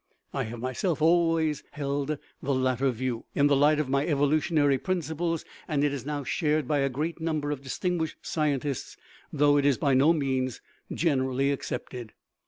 I have myself always held the latter view, in the light of my evolutionary principles, and it is now shared by a great number of distinguished scientists, though it is by no means generally accepted.